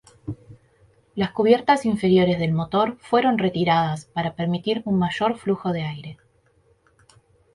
Las cubiertas inferiores del motor fueron retiradas para permitir un mayor flujo de aire.